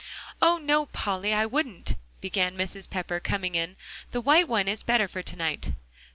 "Oh, no, Polly! I wouldn't," began Mrs. Pepper, coming in, "the white one is better for to night."